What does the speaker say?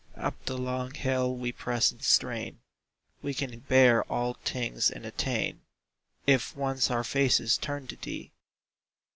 Up the long hill we press and strain; We can bear all things and attain, If once our faces turn to Thee!